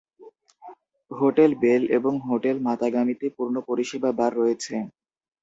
Hotel bell এবং hotel মাতাগামিতে পূর্ণ পরিষেবা বার রয়েছে।